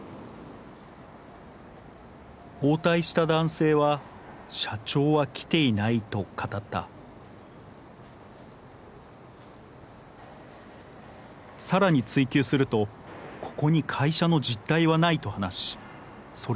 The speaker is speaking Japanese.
応対した男性は「社長は来ていない」と語った更に追及すると「ここに会社の実態はない」と話しそれ